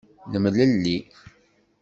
Nemlelli.